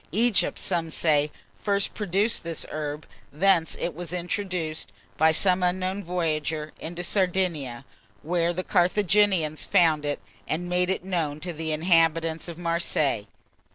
Egypt, some say, first produced this herb; thence it was introduced, by some unknown voyager, into Sardinia, where the Carthaginians found it, and made it known to the inhabitants of Marseilles.